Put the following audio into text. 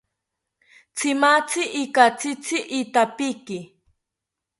Tzimatzi ikatzitzi itapiki